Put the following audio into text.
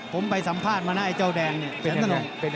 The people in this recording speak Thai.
ผมไปสัมภาษณ์มานะไอ้เจ้าแดงเนี่ย